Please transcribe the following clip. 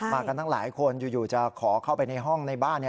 มากันตั้งหลายคนอยู่จะขอเข้าไปในห้องในบ้าน